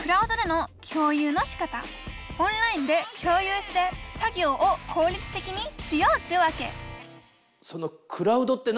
オンラインで共有して作業を効率的にしようってわけそのクラウドって何？